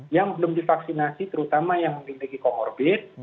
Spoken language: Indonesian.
yang belum divaksinasi terutama yang memiliki comorbid